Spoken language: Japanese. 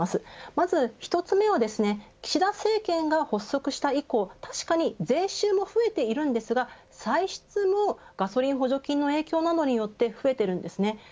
まず１つ目は岸田政権が発足した以降税収は増えていますが歳出もガソリン補助金の影響などによって増えています。